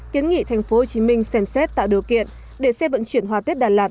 kiến nghị tp hcm xem xét tạo điều kiện để xe vận chuyển hoa tết đà lạt